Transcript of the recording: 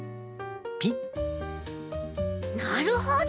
なるほど！